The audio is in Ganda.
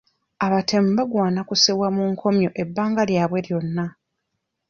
Abatemu bagwana kussibwa mu nkomyo ebbanga lyabwe lyonna.